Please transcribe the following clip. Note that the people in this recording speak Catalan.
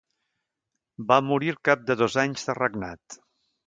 Va morir al cap de dos anys de regnat.